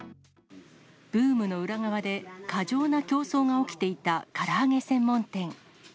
ブームの裏側で過剰な競争が起きていたから揚げ専門店。